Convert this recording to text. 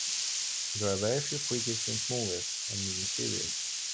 There are very few cricket themed movies and mini-series.